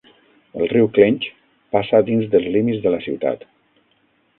El riu Clinch passa dins dels límits de la ciutat.